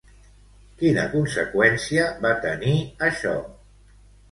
Quina conseqüència va tenir això?